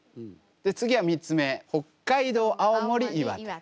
で次は３つ目北海道青森岩手。